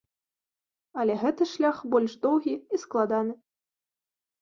Але гэты шлях больш доўгі і складаны.